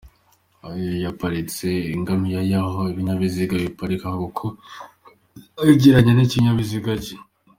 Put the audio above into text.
Uyu yaparitse ingamiya ye aho ibinyabiziga biparikwa kuko ayigereranya n'ikinyabiziga cye.